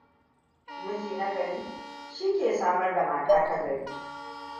Miji nagari shi ke samar da mata tagari.